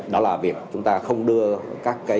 đó là việc chúng ta không đưa các dữ liệu